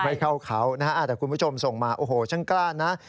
ไม่เข้าเขานะฮะแต่คุณผู้ชมส่งมาโอ้โหช่างกล้านะ